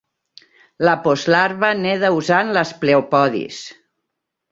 La postlarva neda usant les pleopodis.